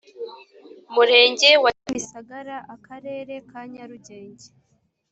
murenge wa kimisagara akarere ka nyarugenge